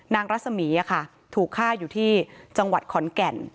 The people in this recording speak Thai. นางรัสมีอ่ะค่ะถูกฆ่าอยู่ที่จังหวัดขอนแก่น